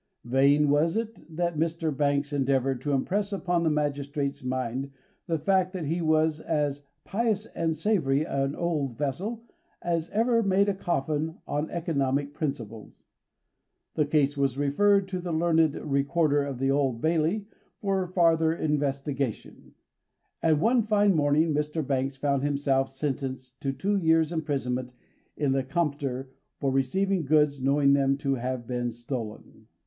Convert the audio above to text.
Vain was it that Mr. Banks endeavoured to impress upon the magistrate's mind the fact that he was as "pious and savoury a old wessel as ever made a coffin on economic principles:" the case was referred to the learned Recorder at the Old Bailey for farther investigation; and one fine morning Mr. Banks found himself sentenced to two years' imprisonment in the Compter for receiving goods knowing them to have been stolen.